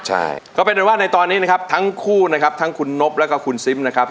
ใช่ก็เป็นได้ว่าในตอนนี้นะครับทั้งคู่นะครับทั้งคุณนบแล้วก็คุณซิมนะครับ